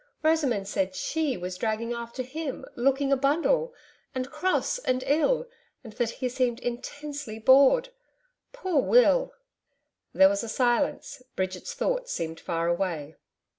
Rosamond said SHE was dragging after him looking a bundle and cross and ill; and that he seemed intensely bored. Poor Will!' There was silence, Bridget's thoughts seemed far away.